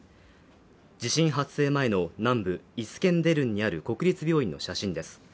地震発生前の南部イスケンデルンにある国立病院の写真です。